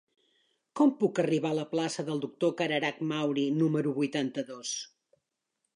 Com puc arribar a la plaça del Doctor Cararach Mauri número vuitanta-dos?